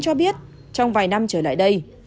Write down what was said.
cho biết trong vài năm trở lại đây